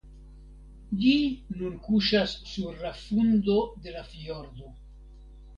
Ĝi nun kuŝas sur la fundo de la fjordo.